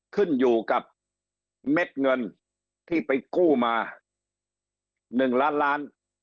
ขึ้นอยู่กับเม็ดเงินที่ไปกู้มา๑ล้านล้าน